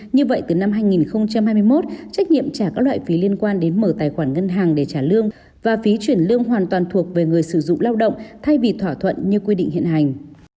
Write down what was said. như vậy từ năm hai nghìn hai mươi một trách nhiệm trả các loại phí liên quan đến mở tài khoản ngân hàng để trả lương và phí chuyển lương hoàn toàn thuộc về người sử dụng lao động thay vì thỏa thuận như quy định hiện hành